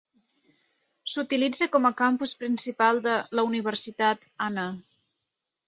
S'utilitza com a campus principal de la Universitat Anna.